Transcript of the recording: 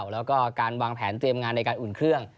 แล้วก็การวางแผนเตรียมงานในการอุ่นเครื่อง